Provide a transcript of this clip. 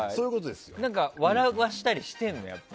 笑わせたりしてるの？